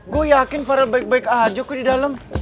gue yakin para baik baik aja kok di dalam